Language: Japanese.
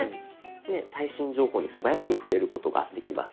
最新情報に素早く触れることができます。